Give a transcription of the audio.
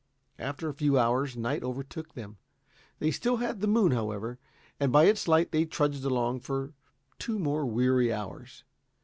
After a few hours night overtook them. They still had the moon, however, and by its light they trudged along for two more weary hours.